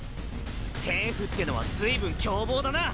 政府ってのはずいぶん凶暴だな！